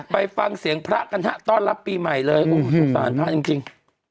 ไปฟังเสียงพระกันฮะตอนรับปีใหม่เลยคูดสารภาพจริง